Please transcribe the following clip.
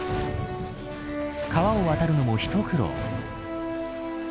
川を渡るのも一苦労。